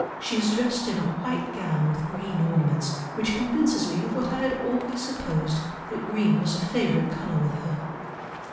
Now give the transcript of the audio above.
She is dressed in a white gown with green ornaments, which convinces me of what I had always supposed, that green was a favourite colour with her."